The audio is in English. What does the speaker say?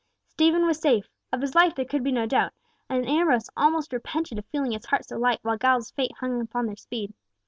Stephen was safe. Of his life there could be no doubt, and Ambrose almost repented of feeling his heart so light while Giles's fate hung upon their speed.